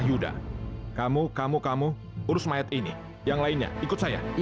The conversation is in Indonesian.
yuda atau saya dobrak pintunya